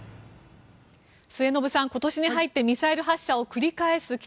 末延さん、今年に入ってミサイル発射を繰り返す